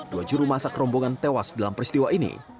dua jurumasak rombongan tewas dalam peristiwa ini